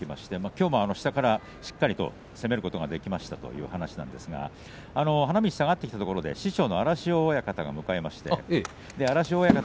きょうも下からしっかりと攻めることができましたという話なんですが花道下がってきたとき師匠の荒汐親方が迎えまして荒汐親方